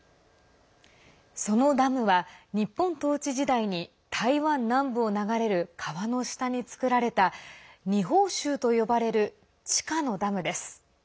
そのダムは日本統治時代に台湾南部を流れる川の下に造られた二峰しゅうと呼ばれる地下のダムです。